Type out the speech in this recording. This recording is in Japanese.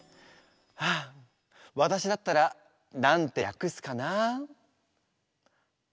はあわたしだったら何てやくすかな？